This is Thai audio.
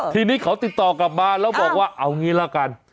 ทีนี้เขาติดต่อกลับมาแล้วบอกว่าเอางี้ละกัน